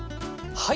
はい。